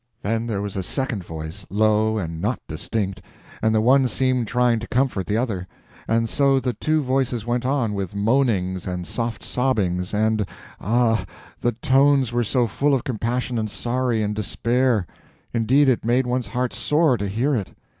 Then there was a second voice, low and not distinct, and the one seemed trying to comfort the other; and so the two voices went on, with moanings, and soft sobbings, and, ah, the tones were so full of compassion and sorry and despair! Indeed, it made one's heart sore to hear it.